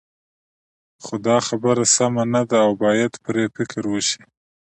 خو دا خبره سمه نه ده او باید پرې فکر وشي.